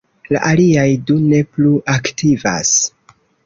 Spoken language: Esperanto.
La aliaj du ne plu aktivas.